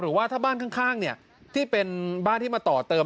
หรือว่าถ้าบ้านข้างที่เป็นบ้านที่มาต่อเติม